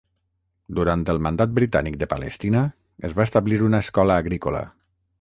Durant el Mandat britànic de Palestina, es va establir una escola agrícola.